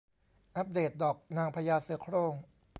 อัปเดตดอกนางพญาเสือโคร่ง